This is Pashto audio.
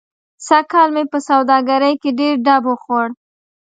سږ کال مې په سوادګرۍ کې ډېر ډب و خوړ.